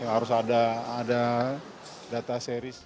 harus ada data seris